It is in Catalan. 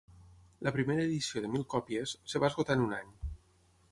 La primera edició de mil còpies, es va esgotar en un any.